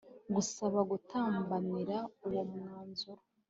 Gusaba gutambamira uwo mwanzuro